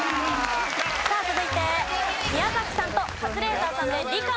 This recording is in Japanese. さあ続いて宮崎さんとカズレーザーさんで理科の問題です。